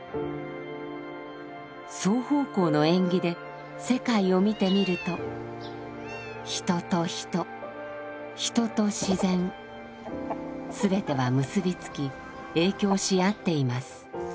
「双方向の縁起」で世界を見てみると人と人人と自然すべては結び付き影響し合っています。